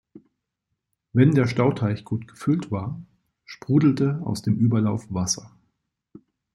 Wenn der Stauteich gut gefüllt war, sprudelte aus dem Überlauf Wasser.